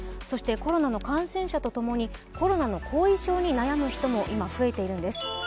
コロナの感染者とともにコロナの後遺症に悩む人も今増えているんです。